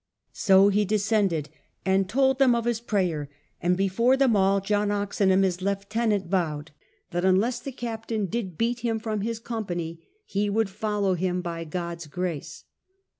So he descended and told them of his prayer; and before them all John Oxenham, his lieutenant, vowed that unless the captain did beat him from his company, he would follow him, by God's grace.